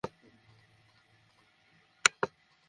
এ পথ ধরে তারা সমুদ্রের উপকূলে গিয়ে উপস্থিত হল।